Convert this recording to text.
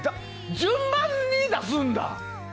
順番に出すんだ？